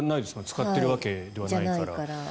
使っているわけではないから。